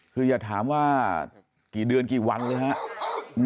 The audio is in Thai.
คืออย่าถามว่ากี่เดือนกี่วันเลยครับ